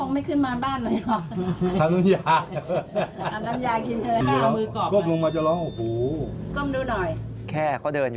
ไม่มันคงไม่ขึ้นมาบ้านหน่อยก่อน